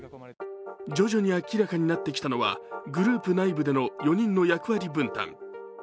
徐々に明らかになってきたのはグループ内部での４人の役割分担。